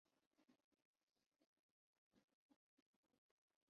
شریانوں کی اس بیماری کی بہت سی علامات سامنے آئی ہیں